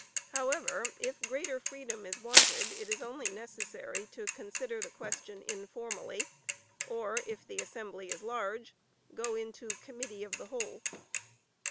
However, if greater freedom is wanted, it is only necessary to consider the question informally, or if the assembly is large, go into committee of the whole.